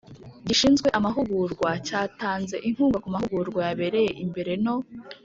Gishinzwe Amahugurwa cyatanze inkunga ku mahugurwa yabereye imbere no